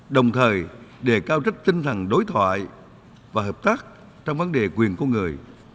đồng thời đề cao trách tinh thần đối thoại và hợp tác trong vấn đề quyền con người